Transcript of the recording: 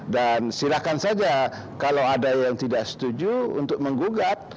dan silahkan saja kalau ada yang tidak setuju untuk menggugat